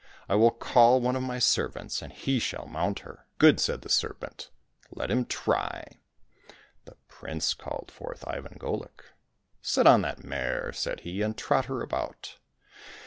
I will call one of my servants, and he shall mount her." " Good !" said the serpent, " let him try !" The prince called forth Ivan Golik. " Sit on that mare," said he, " and trot her about